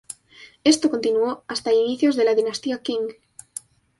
Esto continuó hasta inicios de la dinastía Qing.